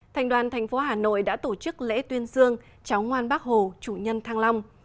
thành đoàn thành phố hà nội đã tổ chức lễ tuyên dương cháu ngoan bác hồ chủ nhân thăng long